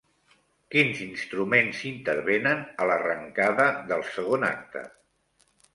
Quins instruments intervenen a l'arrencada del segon acte?